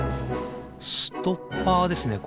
ストッパーですねこれ。